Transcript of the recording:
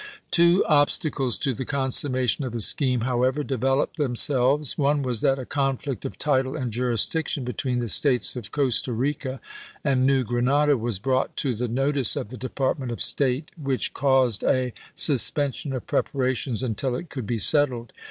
Two obstacles to the consummation of the scheme, how ever, developed themselves. One was that a conflict of title and jurisdiction between the states of Costa Rica and New Granada was brought to the notice of the Department of State, which caused a suspen sion of preparations until it could be settled.